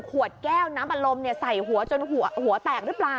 ขวดแก้วน้ำอารมณ์ใส่หัวจนหัวแตกหรือเปล่า